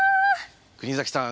国崎さん